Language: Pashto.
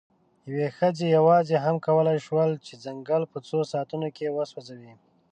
یوې ښځې یواځې هم کولی شول، چې ځنګل په څو ساعتونو کې وسوځوي.